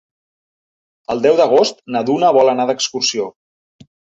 El deu d'agost na Duna vol anar d'excursió.